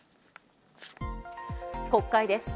国会です。